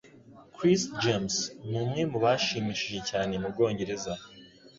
Chris James numwe mubashimishije cyane mubwongereza.